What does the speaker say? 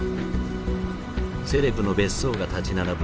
セレブの別荘が立ち並ぶ